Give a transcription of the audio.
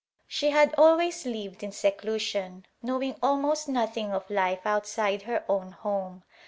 She had always lived in seclusion, knowing almost nothing of life outside her own home.